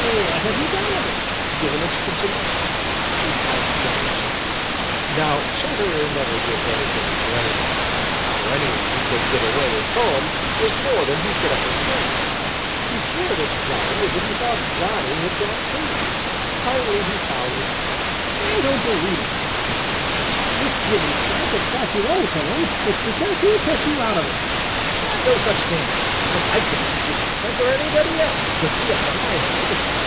"What have you done with it?" "Given it to Jimmy Skunk," replied Johnny Chuck. Now Chatterer never gives anything to anybody, and how any one could give away his home was more than he could understand. He stared at Johnny as if he thought Johnny had gone crazy. Finally he found his tongue. "I don't believe it!" he snapped. "If Jimmy Skunk has got your old home, it's because he put you out of it." "No such thing! I'd like to see Jimmy Skunk or anybody else put me out of my home!"